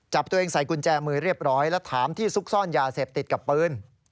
จับตัวเองใส่กุญแจมือเรียบร้อยแล้วถามที่ซุกซ่อนยาเสพติดกับปืน